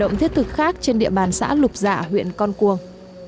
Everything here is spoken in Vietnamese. hoạt động thiết thực khác trên địa bàn xã lục dạ huyện con cuông